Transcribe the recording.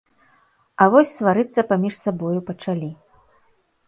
А вось сварыцца паміж сабою пачалі.